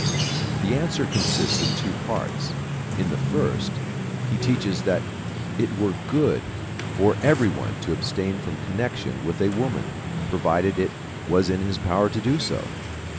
The answer consists of two parts. In the first, he teaches that it were good for every one to abstain from connection with a woman, provided it was in his power to do so.